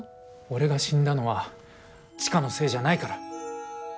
俺が死んだのは千佳のせいじゃないから。